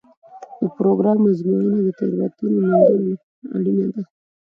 د پروګرام ازموینه د تېروتنو موندلو لپاره اړینه ده.